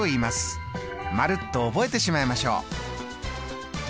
丸っと覚えてしまいましょう。